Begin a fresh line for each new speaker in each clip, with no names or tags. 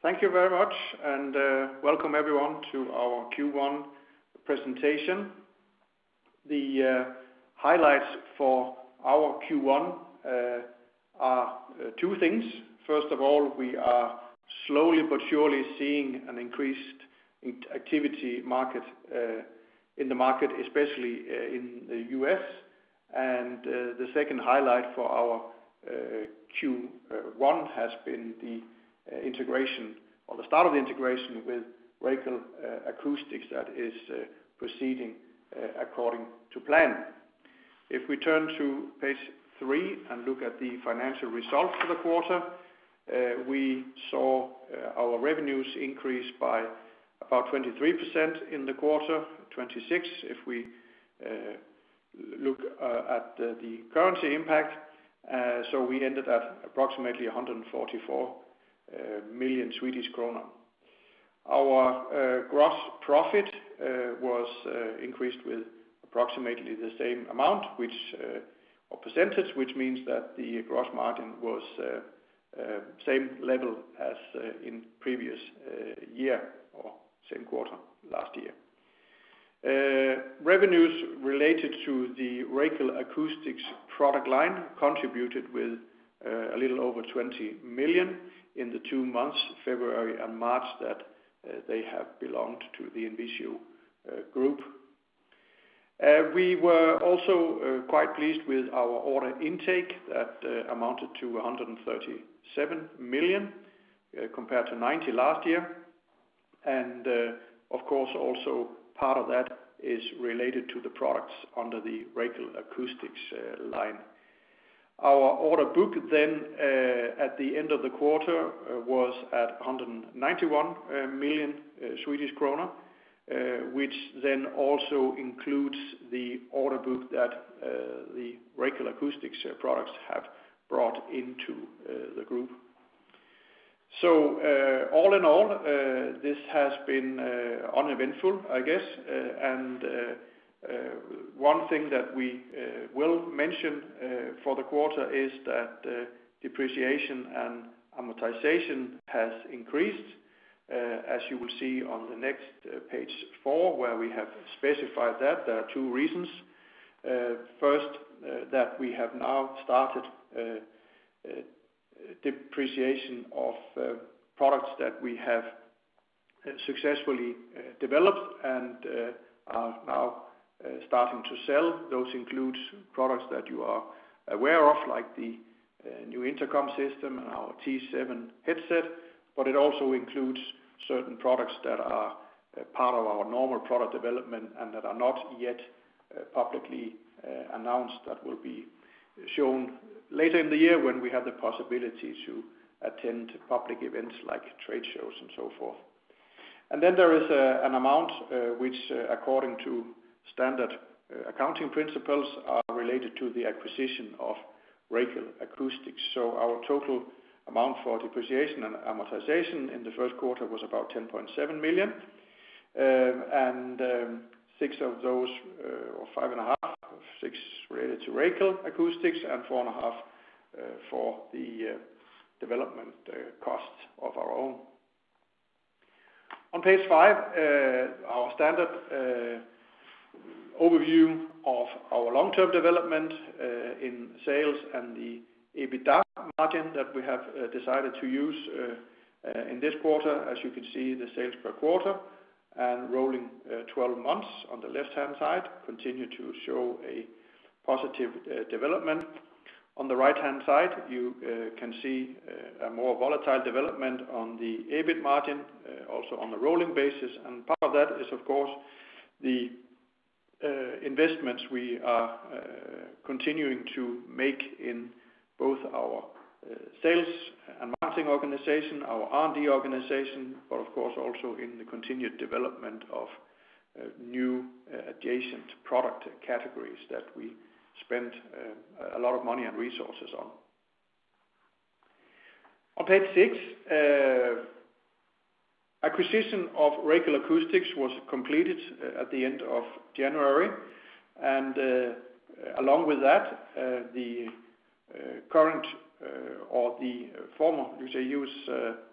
Thank you very much, welcome everyone to our Q1 presentation. The highlights for our Q1 are two things. First of all, we are slowly but surely seeing an increased activity in the market, especially in the U.S. The second highlight for our Q1 has been the start of the integration with Racal Acoustics that is proceeding according to plan. If we turn to page three and look at the financial results for the quarter, we saw our revenues increase by about 23% in the quarter, 26% if we look at the currency impact. We ended at approximately 144 million Swedish kronor. Our gross profit was increased with approximately the same amount, or percentage, which means that the gross margin was same level as in previous year, or same quarter last year. Revenues related to the Racal Acoustics product line contributed with a little over 20 million in the two months, February and March, that they have belonged to the INVISIO group. We were also quite pleased with our order intake. That amounted to 137 million, compared to 90 million last year. Of course, also part of that is related to the products under the Racal Acoustics line. Our order book then at the end of the quarter was at 191 million Swedish krona, which then also includes the order book that the Racal Acoustics products have brought into the group. All in all, this has been uneventful, I guess. One thing that we will mention for the quarter is that depreciation and amortization has increased, as you will see on the next page four, where we have specified that. There are two reasons. First, that we have now started depreciation of products that we have successfully developed and are now starting to sell. Those include products that you are aware of, like the new intercom system and our T7 headset, but it also includes certain products that are part of our normal product development and that are not yet publicly announced, that will be shown later in the year when we have the possibility to attend public events like trade shows and so forth. Then there is an amount which, according to standard accounting principles, are related to the acquisition of Racal Acoustics. So our total amount for depreciation and amortization in the first quarter was about 10.7 million. Six of those, or 5.5 million of 6 million, related to Racal Acoustics and 4.5 million for the development costs of our own. On page five, our standard overview of our long-term development in sales and the EBITDA margin that we have decided to use in this quarter. As you can see, the sales per quarter and rolling 12 months on the left-hand side continue to show a positive development. On the right-hand side, you can see a more volatile development on the EBIT margin, also on a rolling basis. Part of that is, of course, the investments we are continuing to make in both our sales and marketing organization, our R&D organization, but of course also in the continued development of new adjacent product categories that we spent a lot of money and resources on. On page six, acquisition of Racal Acoustics was completed at the end of January, along with that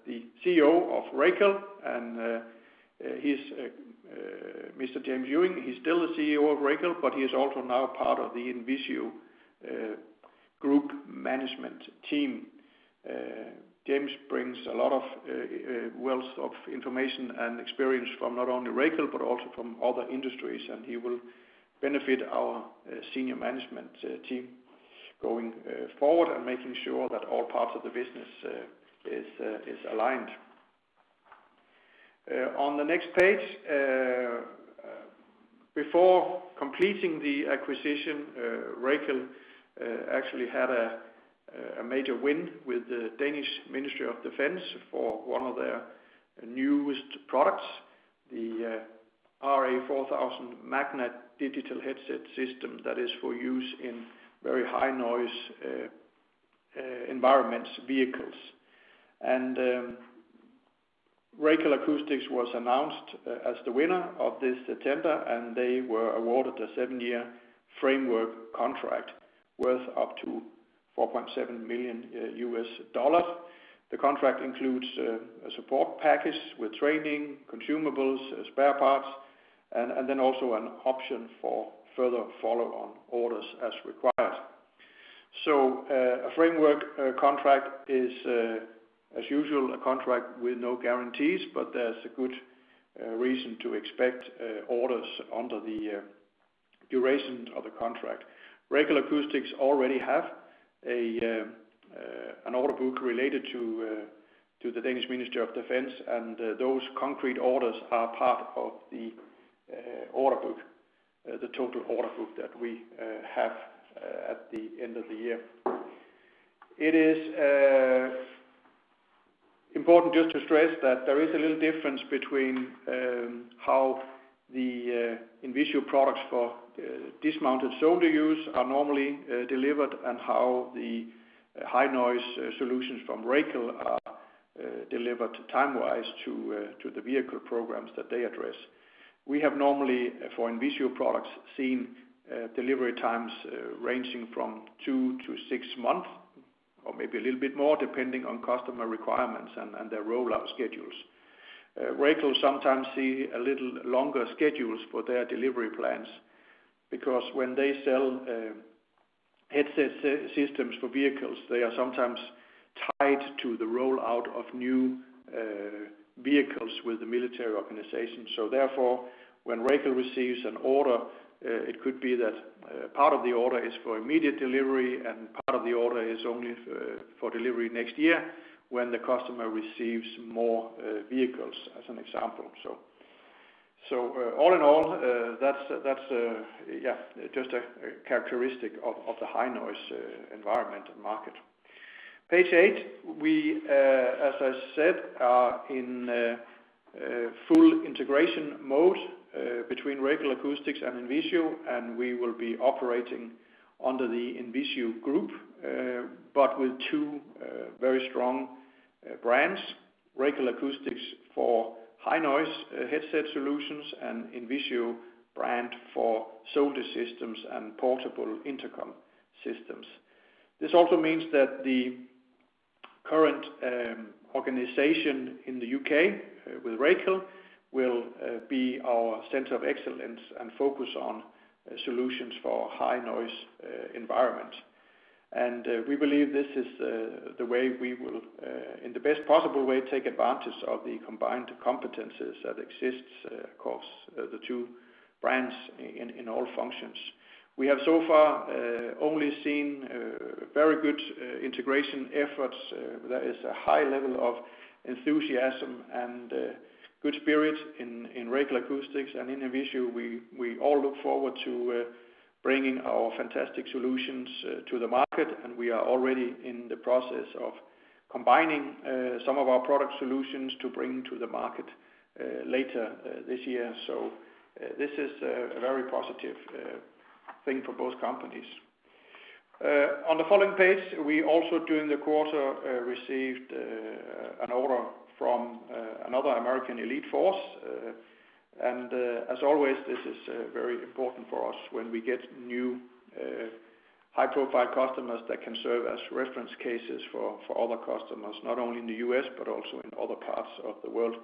the CEO of Racal, James Ewing, he's still the CEO of Racal, but he is also now part of the INVISIO group management team. James brings a lot of wealth of information and experience from not only Racal, but also from other industries, and he will benefit our senior management team going forward and making sure that all parts of the business is aligned. On the next page, before completing the acquisition, Racal actually had a major win with the Danish Ministry of Defense for one of their newest products, the RA4000 Magna digital headset system that is for use in very high-noise environments, vehicles. Racal Acoustics was announced as the winner of this September, and they were awarded a seven-year framework contract worth up to $4.7 million. The contract includes a support package with training, consumables, spare parts, and then also an option for further follow-on orders as required. A framework contract is, as usual, a contract with no guarantees, but there's a good reason to expect orders under the duration of the contract. Racal Acoustics already have an order book related to the Danish Ministry of Defense, and those concrete orders are part of the total order book that we have at the end of the year. It is important just to stress that there is a little difference between how the INVISIO products for dismounted soldier use are normally delivered and how the high-noise solutions from Racal are delivered time-wise to the vehicle programs that they address. We have normally, for INVISIO products, seen delivery times ranging from two to six months or maybe a little bit more, depending on customer requirements and their rollout schedules. Racal sometimes see a little longer schedules for their delivery plans because when they sell headset systems for vehicles, they are sometimes tied to the rollout of new vehicles with the military organization. Therefore, when Racal receives an order, it could be that part of the order is for immediate delivery and part of the order is only for delivery next year when the customer receives more vehicles, as an example. All in all, that's just a characteristic of the high-noise environment and market. Page eight, we, as I said, are in full integration mode between Racal Acoustics and INVISIO, and we will be operating under the INVISIO group but with two very strong brands, Racal Acoustics for High Noise headset solutions and INVISIO brand for Soldier Systems and Portable Intercom systems. This also means that the current organization in the U.K. with Racal will be our center of excellence and focus on solutions for high-noise environment. We believe this is the way we will, in the best possible way, take advantage of the combined competencies that exists across the two brands in all functions. We have so far only seen very good integration efforts. There is a high level of enthusiasm and good spirit in Racal Acoustics and INVISIO. We all look forward to bringing our fantastic solutions to the market, and we are already in the process of combining some of our product solutions to bring to the market later this year. This is a very positive thing for both companies. On the following page, we also during the quarter received an order from another American elite force. As always, this is very important for us when we get new high-profile customers that can serve as reference cases for other customers, not only in the U.S. but also in other parts of the world.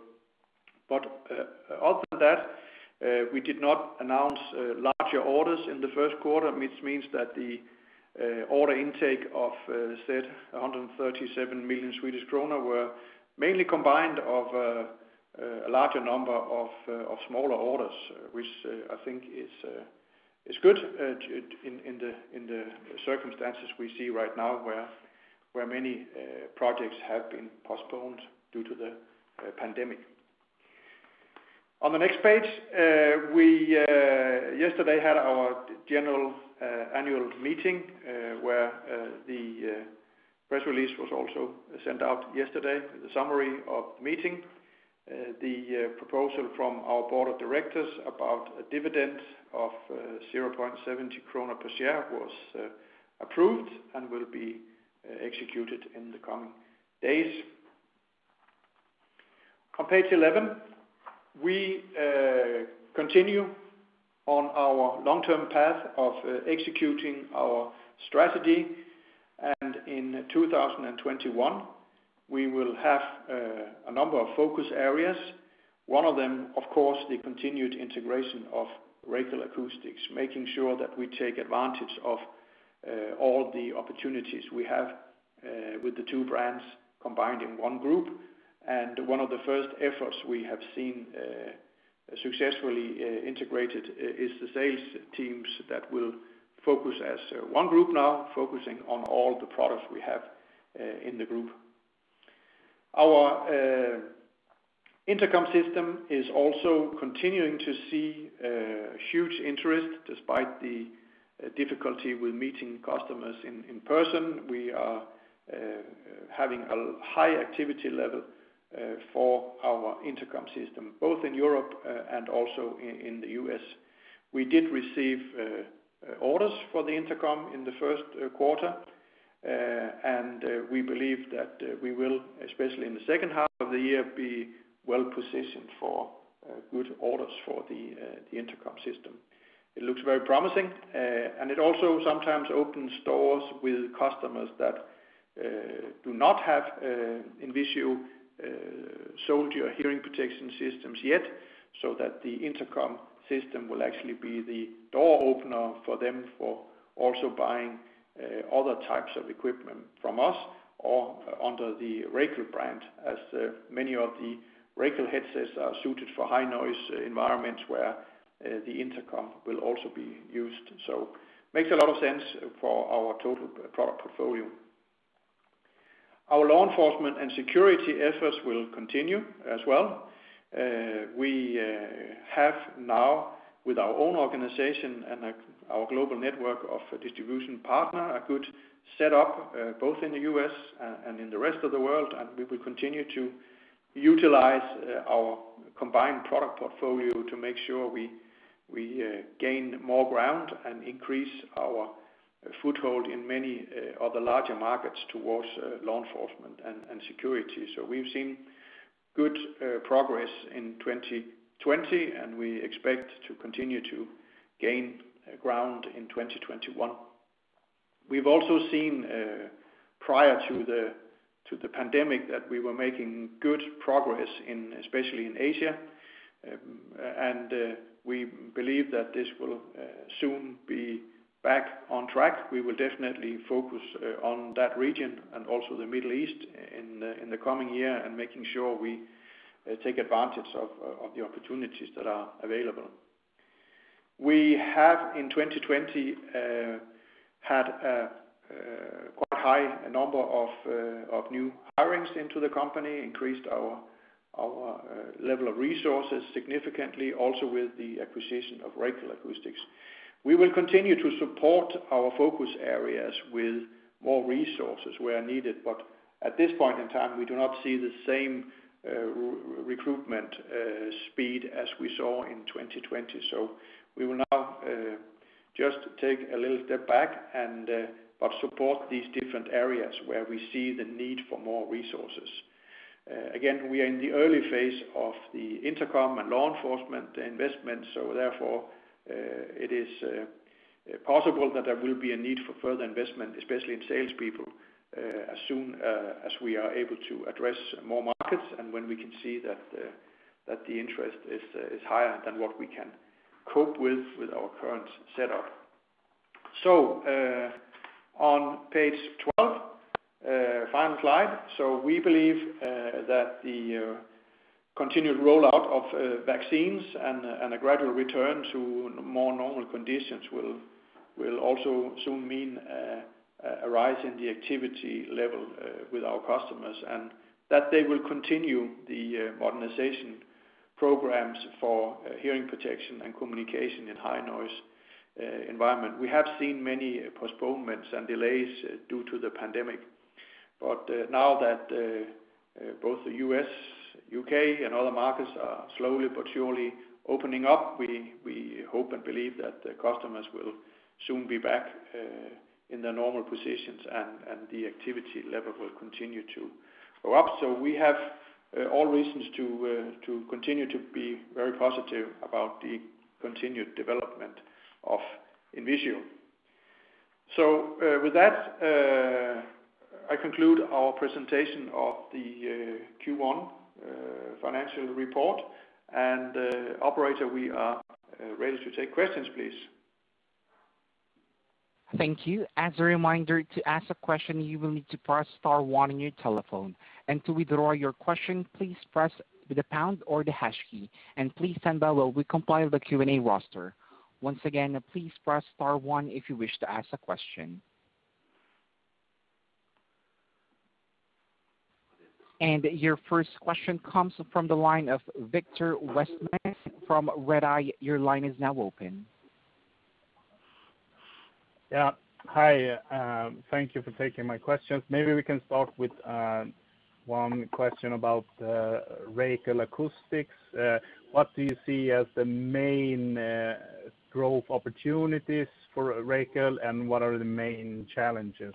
Other than that, we did not announce larger orders in the first quarter, which means that the order intake of 137 million Swedish kronor were mainly combined of a larger number of smaller orders, which I think is good in the circumstances we see right now where many projects have been postponed due to the pandemic. On the next page, we yesterday had our general annual meeting where the press release was also sent out yesterday, the summary of the meeting. The proposal from our board of directors about a dividend of 0.70 krona per share was approved and will be executed in the coming days. On page 11, we continue on our long-term path of executing our strategy. In 2021, we will have a number of focus areas. One of them, of course, the continued integration of Racal Acoustics, making sure that we take advantage of all the opportunities we have with the two brands combined in one group. One of the first efforts we have seen successfully integrated is the sales teams that will focus as one group now, focusing on all the products we have in the group. Our Intercom system is also continuing to see huge interest despite the difficulty with meeting customers in person. We are having a high activity level for our Intercom system, both in Europe and also in the U.S. We did receive orders for the Intercom in the first quarter. We believe that we will, especially in the second half of the year, be well-positioned for good orders for the Intercom system. It looks very promising. It also sometimes opens doors with customers that do not have INVISIO soldier hearing protection systems yet, so that the Intercom system will actually be the door opener for them for also buying other types of equipment from us or under the Racal brand, as many of the Racal headsets are suited for high-noise environments where the intercom will also be used. It makes a lot of sense for our total product portfolio. Our law enforcement and security efforts will continue as well. We have now, with our own organization and our global network of distribution partner, a good setup both in the U.S. and in the rest of the world. We will continue to utilize our combined product portfolio to make sure we gain more ground and increase our foothold in many of the larger markets towards law enforcement and security. We've seen good progress in 2020, and we expect to continue to gain ground in 2021. We've also seen, prior to the pandemic, that we were making good progress especially in Asia, and we believe that this will soon be back on track. We will definitely focus on that region and also the Middle East in the coming year and making sure we take advantage of the opportunities that are available. We have, in 2020, had a quite high number of new hirings into the company, increased our level of resources significantly, also with the acquisition of Racal Acoustics. We will continue to support our focus areas with more resources where needed, but at this point in time, we do not see the same recruitment speed as we saw in 2020. We will now just take a little step back but support these different areas where we see the need for more resources. Again, we are in the early phase of the intercom and law enforcement investments, so therefore it is possible that there will be a need for further investment, especially in salespeople, as soon as we are able to address more markets and when we can see that the interest is higher than what we can cope with our current setup. On page 12, final slide. We believe that the continued rollout of vaccines and a gradual return to more normal conditions will also soon mean a rise in the activity level with our customers, and that they will continue the modernization programs for hearing protection and communication in high-noise environment. We have seen many postponements and delays due to the pandemic. Now that both the U.S., U.K., and other markets are slowly but surely opening up, we hope and believe that the customers will soon be back in their normal positions, the activity level will continue to go up. We have all reasons to continue to be very positive about the continued development of INVISIO. With that, I conclude our presentation of the Q1 financial report. Operator, we are ready to take questions, please.
Thank you. As a reminder, to ask a question, you will need to press star one on your telephone. To withdraw your question, please press the pound or the hash key, and please stand by while we compile the Q&A roster. Once again, please press star one if you wish to ask a question. Your first question comes from the line of Viktor Westman from Redeye. Your line is now open.
Yeah. Hi, thank you for taking my questions. Maybe we can start with one question about Racal Acoustics. What do you see as the main growth opportunities for Racal, and what are the main challenges?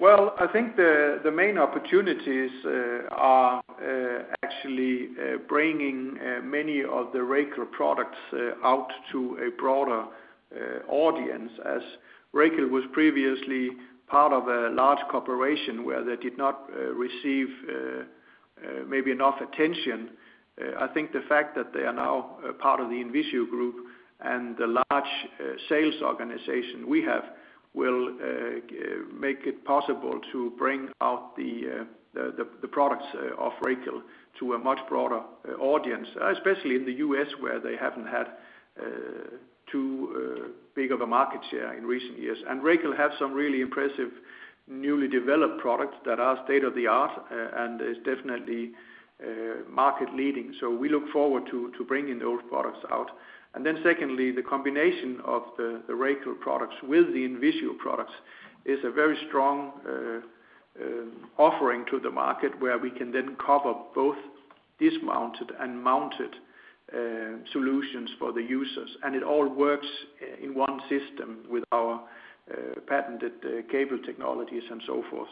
Well, I think the main opportunities are actually bringing many of the Racal products out to a broader audience, as Racal was previously part of a large corporation where they did not receive maybe enough attention. I think the fact that they are now a part of the INVISIO group and the large sales organization we have will make it possible to bring out the products of Racal to a much broader audience, especially in the U.S., where they haven't had too big of a market share in recent years. Racal have some really impressive newly developed products that are state-of-the-art and is definitely market leading. We look forward to bringing those products out. Secondly, the combination of the Racal products with the INVISIO products is a very strong offering to the market where we can then cover both dismounted and mounted solutions for the users, and it all works in one system with our patented cable technologies and so forth.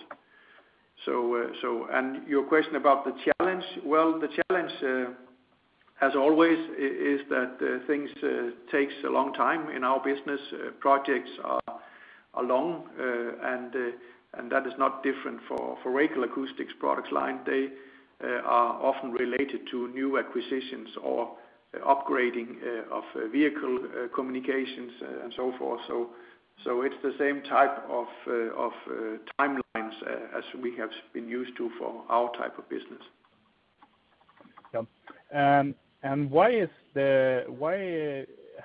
Your question about the challenge, well, the challenge as always is that things take a long time in our business. Projects are long, and that is not different for Racal Acoustics product line. They are often related to new acquisitions or upgrading of vehicle communications and so forth. It's the same type of timelines as we have been used to for our type of business.
Yeah. Why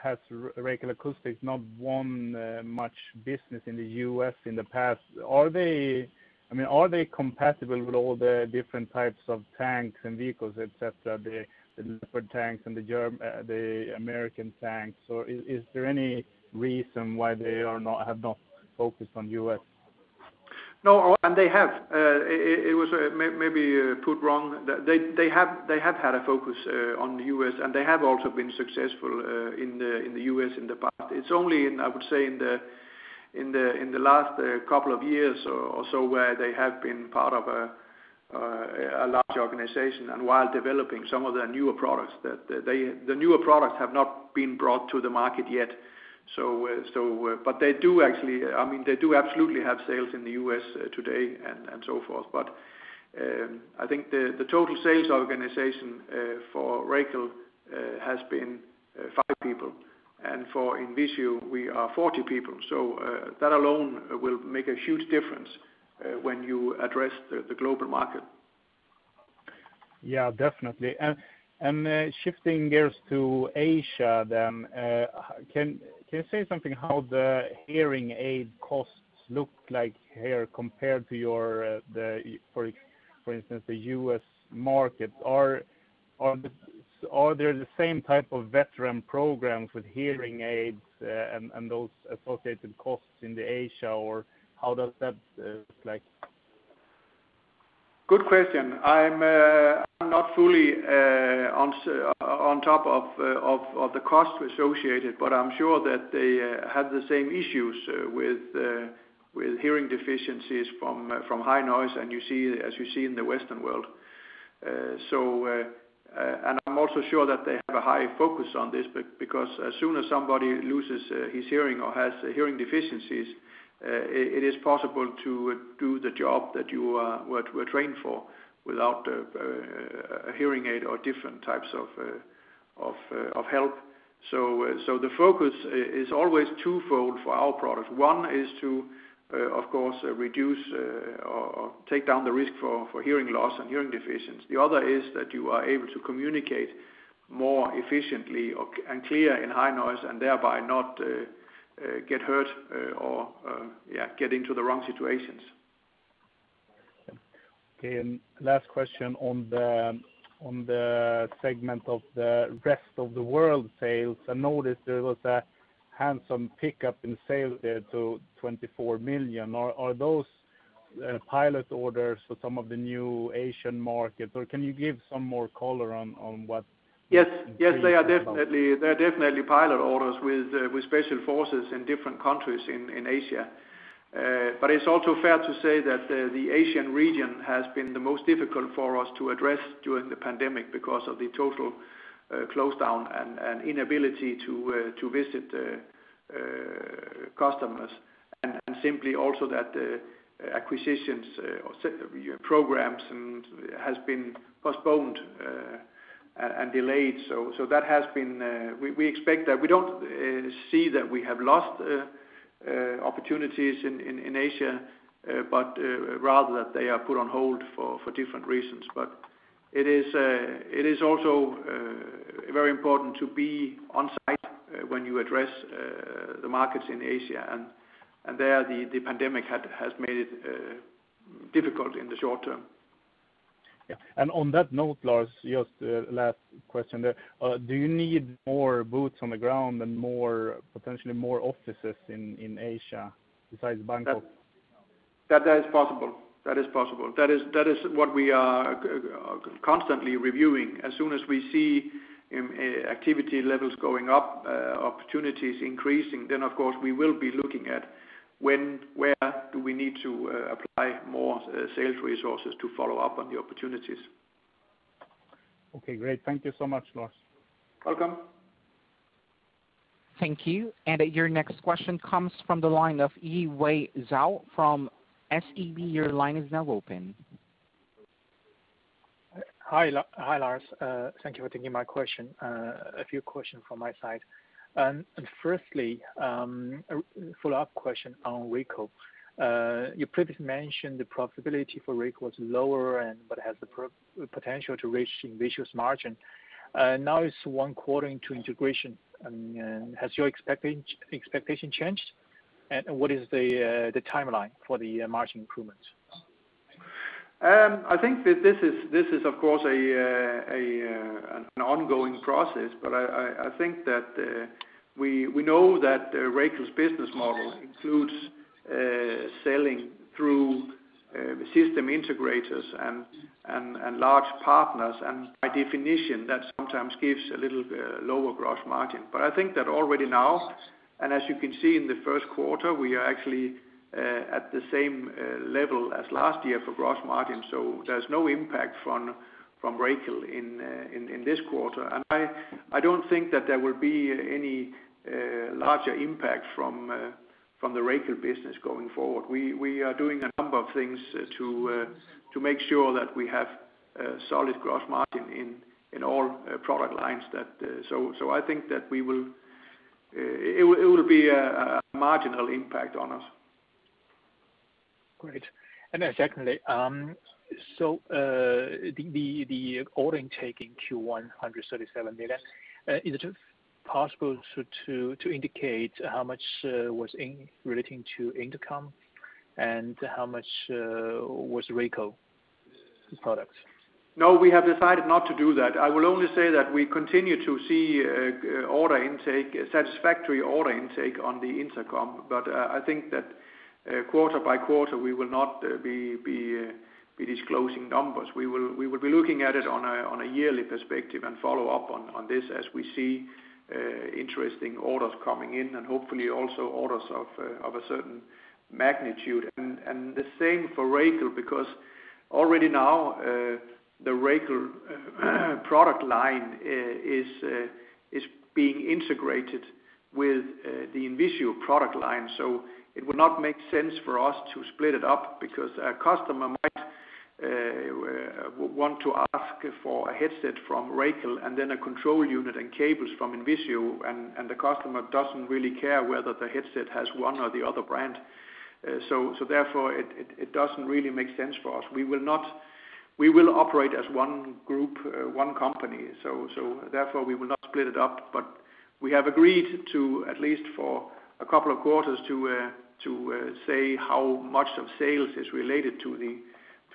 has Racal Acoustics not won much business in the U.S. in the past? Are they compatible with all the different types of tanks and vehicles, et cetera, the Leopard tanks and the American tanks, or is there any reason why they have not focused on U.S.?
No, they have. It was maybe put wrong. They have had a focus on the U.S., and they have also been successful in the U.S. in the past. It's only in, I would say, in the last couple of years or so where they have been part of a large organization and while developing some of their newer products. The newer products have not been brought to the market yet. They do absolutely have sales in the U.S. today and so forth. I think the total sales organization for Racal has been five people and for INVISIO, we are 40 people. That alone will make a huge difference when you address the global market.
Yeah, definitely. Shifting gears to Asia then, can you say something how the hearing aid costs look like here compared to your, for instance, the U.S. market? Are there the same type of veteran programs with hearing aids and those associated costs in Asia, or how does that look like?
Good question. I'm not fully on top of the costs associated, but I'm sure that they have the same issues with hearing deficiencies from high noise as you see in the Western world. I'm also sure that they have a high focus on this, because as soon as somebody loses his hearing or has hearing deficiencies, it is possible to do the job that you were trained for without a hearing aid or different types of help. The focus is always twofold for our product. One is to, of course, reduce or take down the risk for hearing loss and hearing deficiency. The other is that you are able to communicate more efficiently and clear in high noise and thereby not get hurt or get into the wrong situations.
Okay, last question on the segment of the rest of the world sales. I noticed there was a handsome pickup in sales there to 24 million. Are those pilot orders for some of the new Asian markets, or can you give some more color?
Yes. They're definitely pilot orders with special forces in different countries in Asia. It's also fair to say that the Asian region has been the most difficult for us to address during the pandemic because of the total closedown and inability to visit customers and simply also that the acquisitions or programs has been postponed and delayed. We expect that. We don't see that we have lost opportunities in Asia, but rather that they are put on hold for different reasons. It is also very important to be on site when you address the markets in Asia, and there, the pandemic has made it difficult in the short term.
Yeah. On that note, Lars, just last question there. Do you need more boots on the ground and potentially more offices in Asia besides Bangkok?
That is possible. That is what we are constantly reviewing. As soon as we see activity levels going up, opportunities increasing, then of course, we will be looking at where do we need to apply more sales resources to follow up on the opportunities.
Okay, great. Thank you so much, Lars.
Welcome.
Thank you. Your next question comes from the line of Yiwei Zhou from SEB. Your line is now open.
Hi, Lars. Thank you for taking my question. A few questions from my side. Firstly, a follow-up question on Racal. You previously mentioned the profitability for Racal was lower but has the potential to reach INVISIO's margin. Now it's one quarter into integration. Has your expectation changed? What is the timeline for the margin improvements?
I think that this is of course an ongoing process, I think that we know that Racal's business model includes selling through system integrators and large partners. By definition, that sometimes gives a little lower gross margin. I think that already now, and as you can see in the first quarter, we are actually at the same level as last year for gross margin. There's no impact from Racal in this quarter. I don't think that there will be any larger impact from the Racal business going forward. We are doing a number of things to make sure that we have a solid gross margin in all product lines. I think that it will be a marginal impact on us.
Great. Secondly, the order intake in Q1, 137 million, is it possible to indicate how much was relating to Intercom and how much was Racal products?
No, we have decided not to do that. I will only say that we continue to see satisfactory order intake on the Intercom. I think that quarter by quarter, we will not be disclosing numbers. We will be looking at it on a yearly perspective and follow up on this as we see interesting orders coming in and hopefully also orders of a certain magnitude. The same for Racal, because already now the Racal product line is being integrated with the INVISIO product line. It would not make sense for us to split it up because a customer might want to ask for a headset from Racal and then a control unit and cables from INVISIO, and the customer doesn't really care whether the headset has one or the other brand. Therefore it doesn't really make sense for us. We will operate as one group, one company, so therefore we will not split it up. We have agreed to, at least for a couple of quarters, to say how much of sales is related to the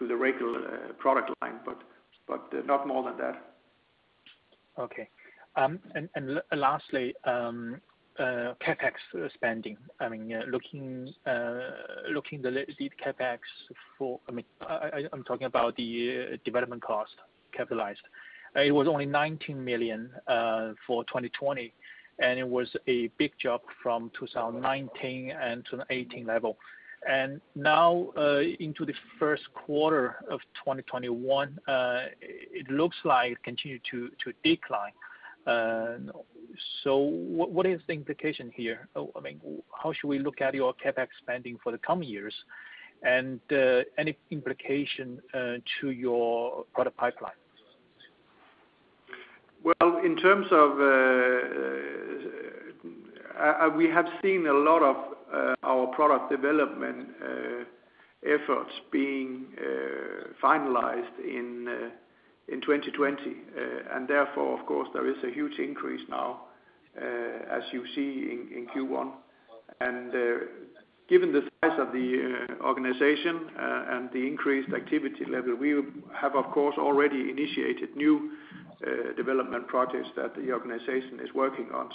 Racal product line, but not more than that.
Okay. Lastly, CapEx spending. I'm talking about the development cost capitalized. It was only 19 million for 2020, and it was a big jump from 2019 and 2018 level. Now into the first quarter of 2021, it looks like it continued to decline. What is the implication here? How should we look at your CapEx spending for the coming years, and any implication to your product pipeline?
Well, in terms of, we have seen a lot of our product development efforts being finalized in 2020. Therefore, of course, there is a huge increase now as you see in Q1. Given the size of the organization and the increased activity level, we have, of course, already initiated new development projects that the organization is working on.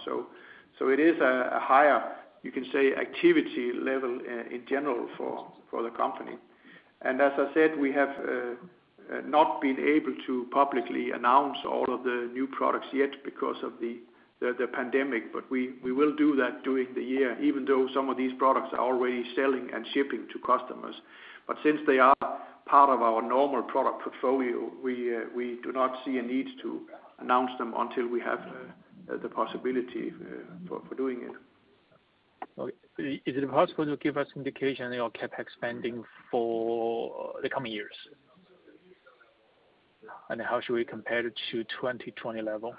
It is a higher, you can say, activity level in general for the company. As I said, we have not been able to publicly announce all of the new products yet because of the pandemic. We will do that during the year, even though some of these products are already selling and shipping to customers. Since they are part of our normal product portfolio, we do not see a need to announce them until we have the possibility for doing it.
Okay. Is it possible to give us indication on your CapEx spending for the coming years? How should we compare it to 2020 level?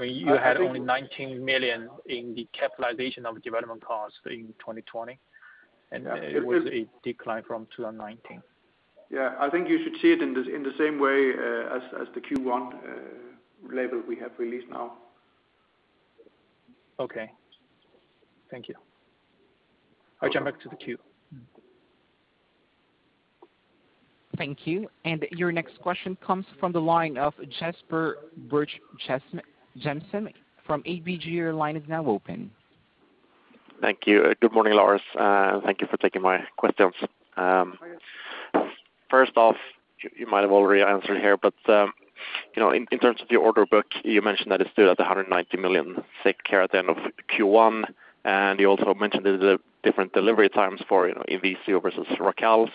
You had only 19 million in the capitalization of development costs in 2020, and it was a decline from 2019.
Yeah, I think you should see it in the same way as the Q1 level we have released now.
Okay. Thank you. I'll jump back to the queue.
Thank you. Your next question comes from the line of Jesper Birch-Jensen from ABG. Your line is now open.
Thank you. Good morning, Lars. Thank you for taking my questions.
Of course.
First off, you might have already answered here, but in terms of the order book, you mentioned that it stood at 190 million SEK at the end of Q1, and you also mentioned the different delivery times for INVISIO versus Racal.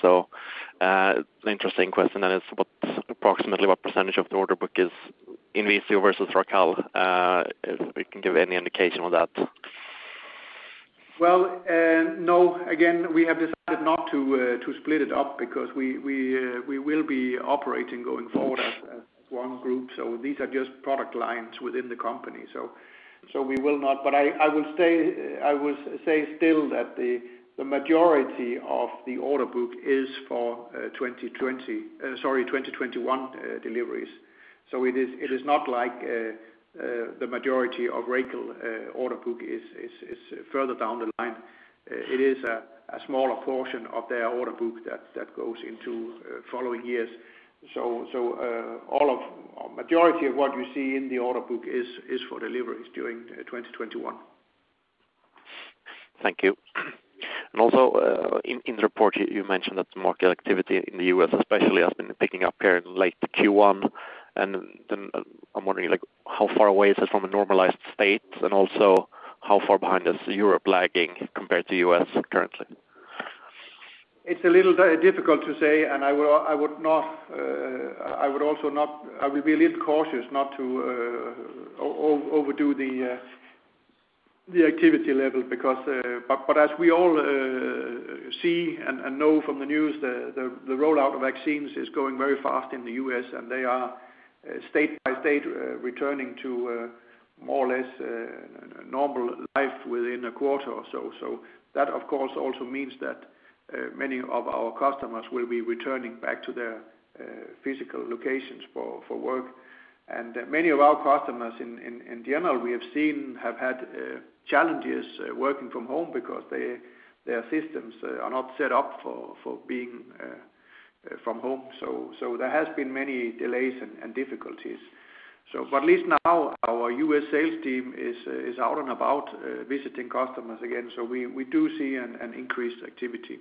An interesting question then is approximately what percentage of the order book is INVISIO versus Racal? If you can give any indication on that.
Well, no. Again, we have decided not to split it up because we will be operating going forward as one group. These are just product lines within the company. We will not, but I will say still that the majority of the order book is for 2020, sorry, 2021 deliveries. It is not like the majority of Racal order book is further down the line. It is a smaller portion of their order book that goes into following years. Majority of what you see in the order book is for deliveries during 2021.
Thank you. Also, in the report you mentioned that the market activity in the U.S. especially has been picking up here in late Q1. I'm wondering how far away is it from a normalized state, and also how far behind is Europe lagging compared to U.S. currently?
It's a little difficult to say. I would be a little cautious not to overdo the activity level. As we all see and know from the news, the rollout of vaccines is going very fast in the U.S. They are, state by state, returning to more or less normal life within a quarter or so. That, of course, also means that many of our customers will be returning back to their physical locations for work. Many of our customers in general, we have seen, have had challenges working from home because their systems are not set up for being from home. There has been many delays and difficulties. At least now our U.S. sales team is out and about visiting customers again. We do see an increased activity.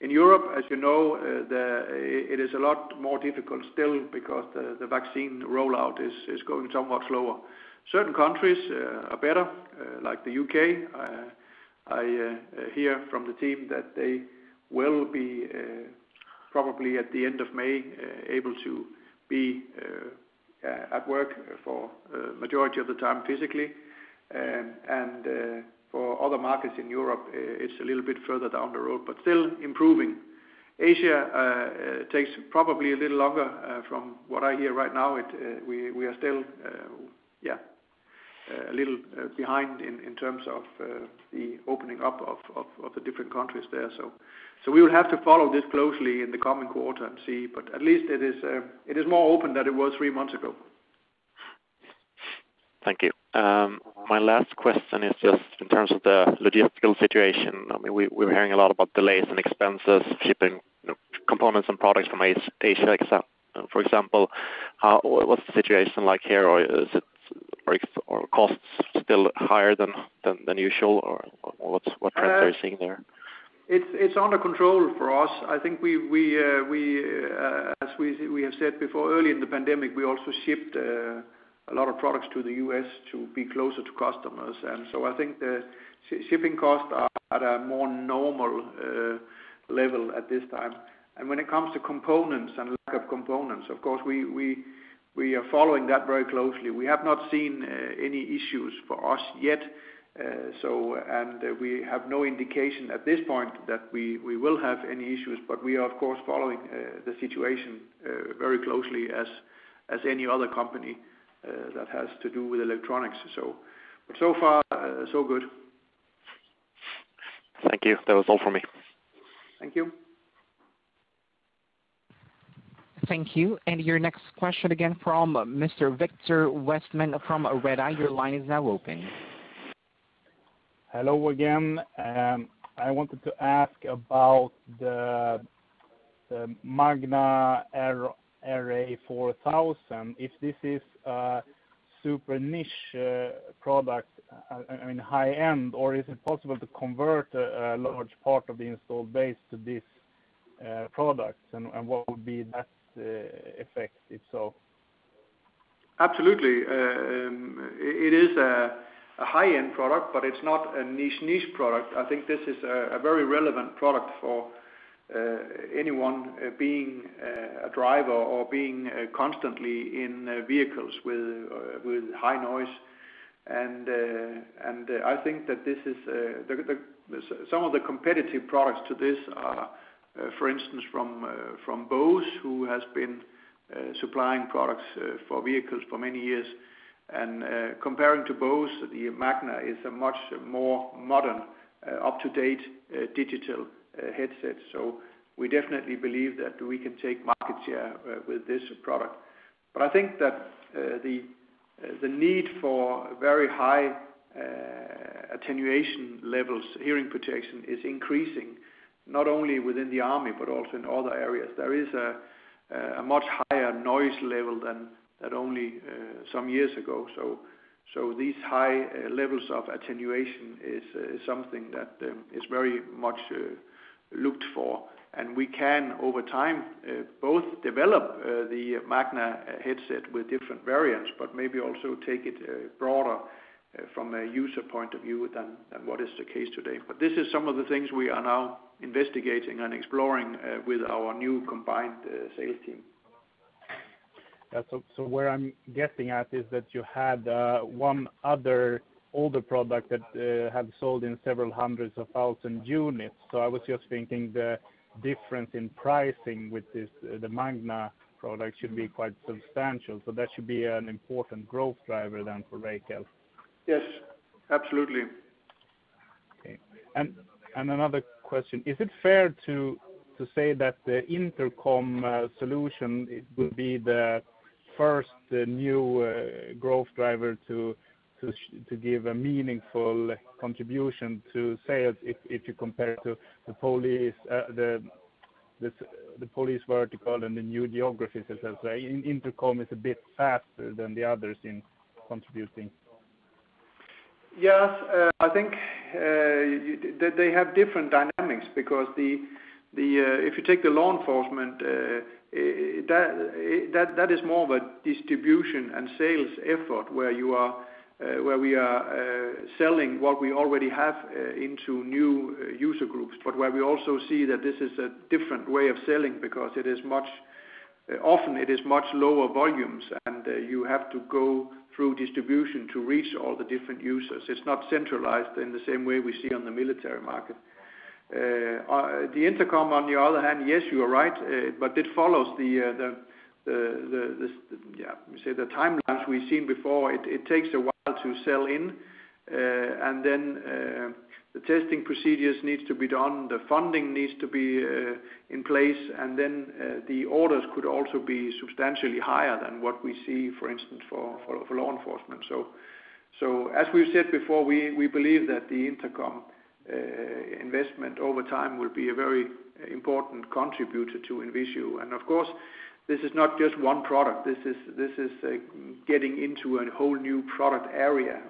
In Europe, as you know, it is a lot more difficult still because the vaccine rollout is going so much slower. Certain countries are better, like the U.K. I hear from the team that they will be probably at the end of May able to be at work for a majority of the time physically. For other markets in Europe, it's a little bit further down the road, but still improving. Asia takes probably a little longer, from what I hear right now. We are still a little behind in terms of the opening up of the different countries there. We will have to follow this closely in the coming quarter and see. At least it is more open than it was three months ago.
Thank you. My last question is just in terms of the logistical situation. We're hearing a lot about delays and expenses, shipping components and products from Asia, for example. What's the situation like here, or are costs still higher than usual, or what trends are you seeing there?
It's under control for us. I think as we have said before, early in the pandemic, we also shipped a lot of products to the U.S. to be closer to customers. I think the shipping costs are at a more normal level at this time. When it comes to components and lack of components, of course, we are following that very closely. We have not seen any issues for us yet. We have no indication at this point that we will have any issues. We are, of course, following the situation very closely as any other company that has to do with electronics. So far so good.
Thank you. That was all for me.
Thank you.
Thank you. Your next question again from Mr. Viktor Westman from Redeye, your line is now open.
Hello again. I wanted to ask about the Magna RA4000, if this is a super niche product, I mean high-end, or is it possible to convert a large part of the installed base to these products, and what would be that effect, if so?
Absolutely. It is a high-end product, but it's not a niche product. I think this is a very relevant product for anyone being a driver or being constantly in vehicles with high noise. I think that some of the competitive products to this are, for instance, from Bose, who has been supplying products for vehicles for many years. Comparing to Bose, the Magna is a much more modern, up-to-date digital headset. We definitely believe that we can take market share with this product. I think that the need for very high attenuation levels, hearing protection, is increasing, not only within the army but also in other areas. There is a much higher noise level than only some years ago. These high levels of attenuation is something that is very much looked for. We can, over time, both develop the Magna headset with different variants, but maybe also take it broader from a user point of view than what is the case today. This is some of the things we are now investigating and exploring with our new combined sales team.
Yeah. Where I'm getting at is that you had one other older product that had sold in several hundreds of thousand units. I was just thinking the difference in pricing with the Magna product should be quite substantial. That should be an important growth driver then for Racal.
Yes, absolutely.
Okay. Another question, is it fair to say that the intercom solution would be the first new growth driver to give a meaningful contribution to sales if you compare it to the police vertical and the new geographies, I'll say. Intercom is a bit faster than the others in contributing.
Yes. I think they have different dynamics because if you take the law enforcement, that is more of a distribution and sales effort where we are selling what we already have into new user groups, but where we also see that this is a different way of selling because often it is much lower volumes, and you have to go through distribution to reach all the different users. It is not centralized in the same way we see on the military market. The Intercom, on the other hand, yes, you are right, but it follows the timelines we have seen before. It takes a while to sell in, and then the testing procedures needs to be done, the funding needs to be in place, and then the orders could also be substantially higher than what we see, for instance, for law enforcement. As we've said before, we believe that the Intercom investment over time will be a very important contributor to INVISIO. Of course, this is not just one product. This is getting into a whole new product area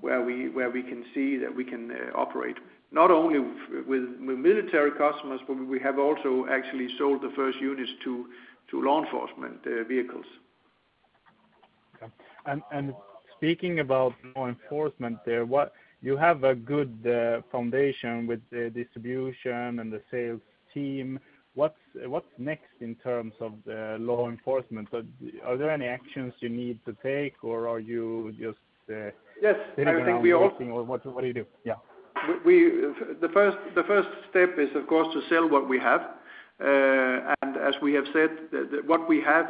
where we can see that we can operate not only with military customers, but we have also actually sold the first units to law enforcement vehicles.
Okay. Speaking about law enforcement there, you have a good foundation with the distribution and the sales team. What's next in terms of the law enforcement? Are there any actions you need to take?
Yes
Or are you just sitting around waiting? What do you do? Yeah.
The first step is, of course, to sell what we have. As we have said, what we have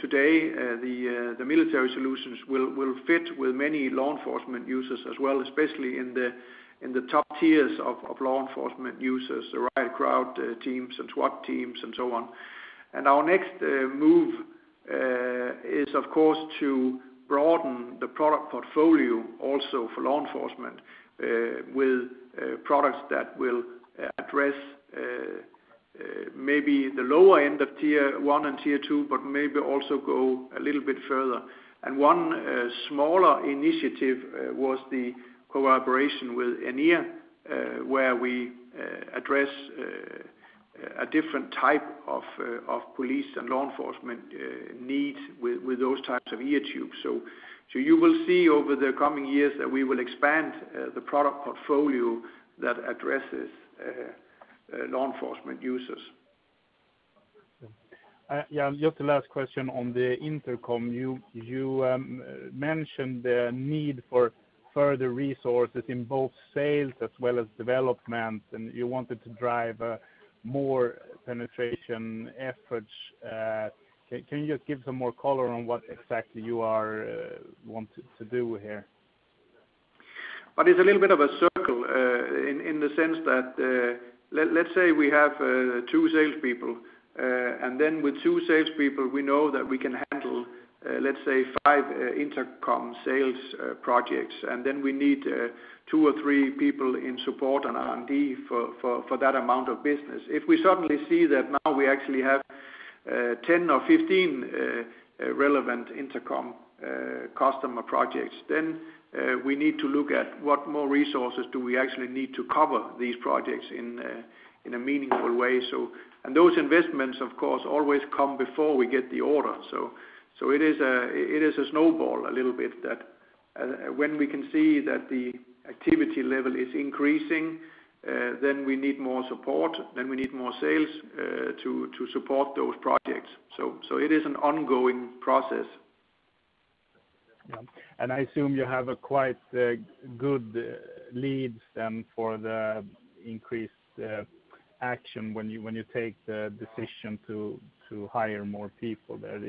today, the military solutions will fit with many law enforcement users as well, especially in the top tiers of law enforcement users, the riot crowd teams and SWAT teams and so on. Our next move is, of course, to broaden the product portfolio also for law enforcement, with products that will address maybe the lower end of Tier 1 and Tier 2, but maybe also go a little bit further. One smaller initiative was the collaboration with N-ear, where we address a different type of police and law enforcement needs with those types of ear tubes. You will see over the coming years that we will expand the product portfolio that addresses law enforcement users.
Just the last question on the Intercom. You mentioned the need for further resources in both sales as well as development, and you wanted to drive more penetration efforts. Can you just give some more color on what exactly you are wanting to do here?
It's a little bit of a circle in the sense that, let's say we have two salespeople, and then with two salespeople, we know that we can handle, let's say, five intercom sales projects, and then we need two or three people in support and R&D for that amount of business. If we suddenly see that now we actually have 10 or 15 relevant intercom customer projects, then we need to look at what more resources do we actually need to cover these projects in a meaningful way. Those investments, of course, always come before we get the order. It is a snowball a little bit that when we can see that the activity level is increasing, then we need more support, then we need more sales to support those projects. It is an ongoing process.
Yeah. I assume you have a quite good leads then for the increased action when you take the decision to hire more people there.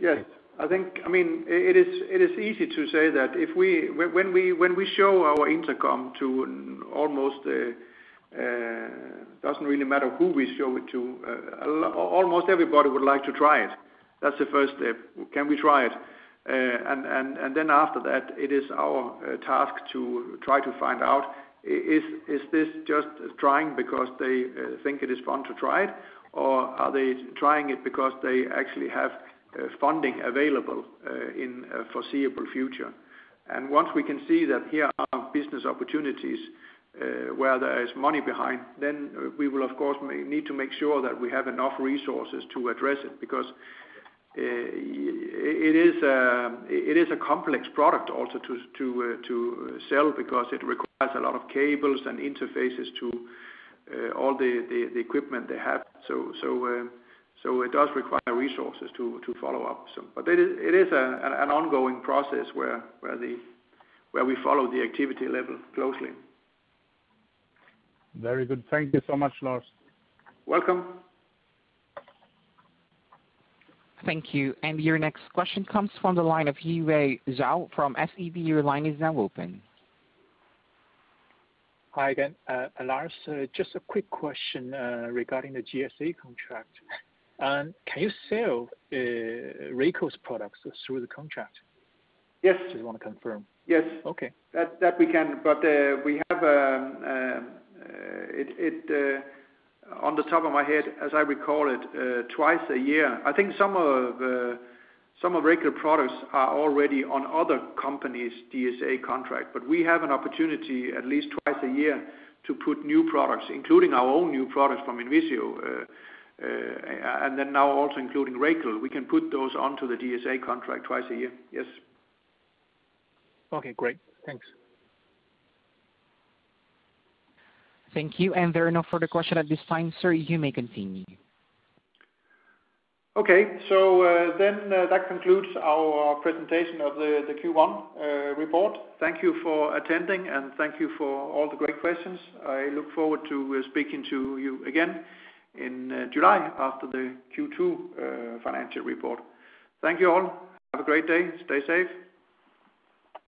Yes. I think it is easy to say that when we show our Intercom to almost, doesn't really matter who we show it to, almost everybody would like to try it. That's the first step. Can we try it? After that, it is our task to try to find out, is this just trying because they think it is fun to try it, or are they trying it because they actually have funding available in foreseeable future? Once we can see that here are business opportunities where there is money behind, then we will of course need to make sure that we have enough resources to address it, because it is a complex product also to sell because it requires a lot of cables and interfaces to all the equipment they have. It does require resources to follow up. It is an ongoing process where we follow the activity level closely.
Very good. Thank you so much, Lars.
Welcome.
Thank you. Your next question comes from the line of Yiwei Zhou from SEB. Your line is now open.
Hi again. Lars, just a quick question regarding the GSA contract. Can you sell Racal's products through the contract?
Yes.
Just want to confirm.
Yes.
Okay.
That we can. We have it, on the top of my head, as I recall it, twice a year. I think some of Racal products are already on other companies' GSA contract. We have an opportunity at least twice a year to put new products, including our own new products from INVISIO, and then now also including Racal. We can put those onto the GSA contract twice a year. Yes.
Okay, great. Thanks.
Thank you. There are no further questions at this time, sir. You may continue.
Okay. That concludes our presentation of the Q1 report. Thank you for attending, and thank you for all the great questions. I look forward to speaking to you again in July after the Q2 financial report. Thank you all. Have a great day. Stay safe.